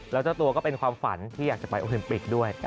แล้วเจ้าตัวก็เป็นความฝันที่อยากจะไปโอลิมปิกด้วย